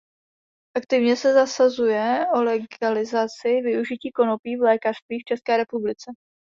Aktivně se zasazuje o legalizaci využití konopí v lékařství v České republice.